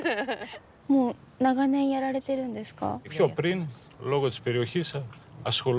もう長年やられてるんですか？